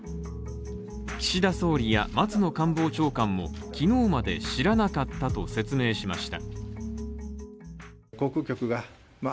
岸田総理や松野官房長官も昨日まで知らなかったと説明しました。